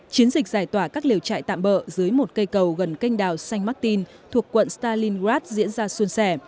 chiến dịch giải tỏa các liều chạy tạm bỡ dưới một cây cầu gần canh đào saint martin thuộc quận stalingrad diễn ra xuân xẻ